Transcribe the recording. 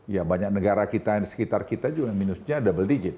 ya banyak negara sekitar kita juga yang minusnya double digit